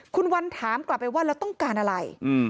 คุณวันถามกลับไปว่าเราต้องการอะไร